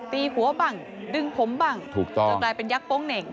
ตีหัวบ้างดึงผมบ้างถูกต้องจนกลายเป็นยักษ์โป๊งเหน่ง